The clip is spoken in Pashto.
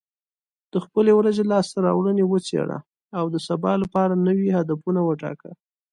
د خپلې ورځې لاسته راوړنې وڅېړه، او د سبا لپاره نوي هدفونه وټاکه.